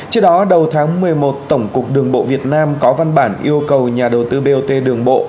trước đó đầu tháng một mươi một tổng cục đường bộ việt nam có văn bản yêu cầu nhà đầu tư bot đường bộ